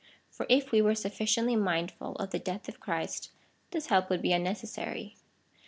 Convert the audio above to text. for if we were sufficiently mindful of the death of Christ, this help would be unnecessary.